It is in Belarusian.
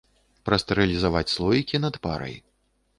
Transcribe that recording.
Прастэрылізаваць слоікі над парай.